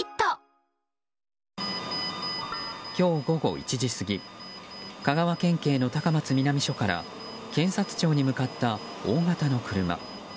今日午後１時過ぎ香川県警の高松南署から検察庁に向かった大型の車。